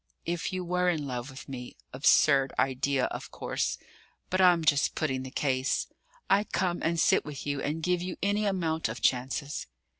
"If you were in love with me absurd idea, of course! but I'm just putting the case I'd come and sit with you and give you any amount of chances."